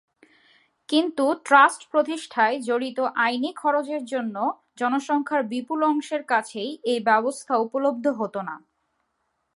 কিন্তু ট্রাস্ট প্রতিষ্ঠায় জড়িত আইনি খরচের জন্য জনসংখ্যার বিপুল অংশের কাছেই এই ব্যবস্থা উপলব্ধ হত না।